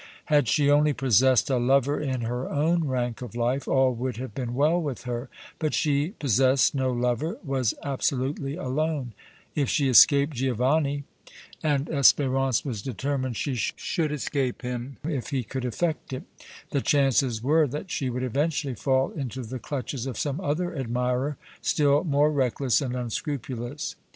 Had she only possessed a lover in her own rank of life, all would have been well with her; but she possessed no lover, was absolutely alone; if she escaped Giovanni, and Espérance was determined she should escape him if he could effect it, the chances were that she would eventually fall into the clutches of some other admirer still more reckless and unscrupulous.